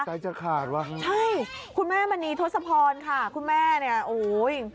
ใจจะขาดว่ะใช่คุณแม่มณีทศพรค่ะคุณแม่เนี่ยโอ้ย